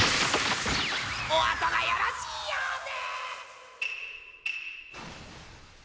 おあとがよろしいようで。